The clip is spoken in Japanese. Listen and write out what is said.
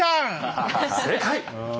正解！